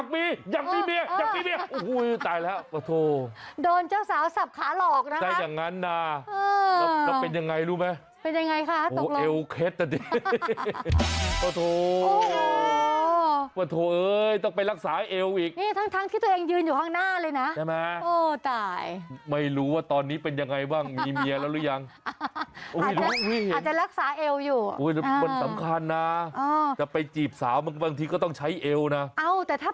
พี่ฝนลองดูคลิปนี้เผื่อพี่ฝนจะได้